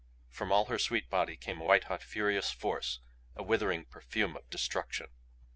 From all her sweet body came white hot furious force, a withering perfume of destruction.